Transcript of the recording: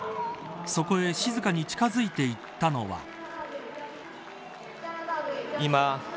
そこへ静かに近づいていったのは。